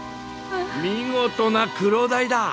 見事なクロダイだ！